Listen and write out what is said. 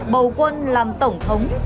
bầu quân làm tổng thống